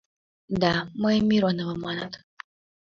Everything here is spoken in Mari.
Да, мыйым Миронова маныт.